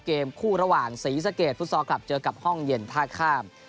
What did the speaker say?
เกมคู่ระหว่างศรีสะเกดฟุตซอลคลับเจอกับห้องเย็นท่าข้าม